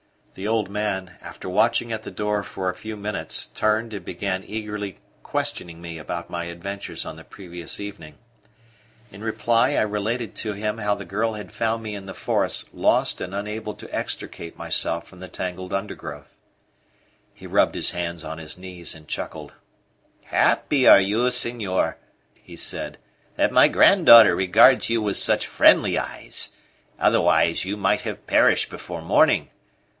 The old man, after watching at the door for a few minutes, turned and began eagerly questioning me about my adventures on the previous evening. In reply I related to him how the girl had found me in the forest lost and unable to extricate myself from the tangled undergrowth. He rubbed his hands on his knees and chuckled. "Happy for you, senor," he said, "that my granddaughter regards you with such friendly eyes, otherwise you might have perished before morning.